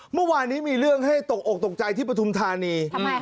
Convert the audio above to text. เมื่อวานนี้มีเรื่องให้ตกอกตกใจที่ปฐุมธานี